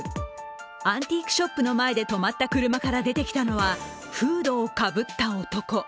アンティークショップの前で止まった車から出てきたのはフードをかぶった男。